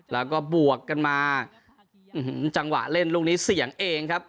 แล้วก็บวกกันมาจังหวะเล่นลูกนี้เสี่ยงเองครับ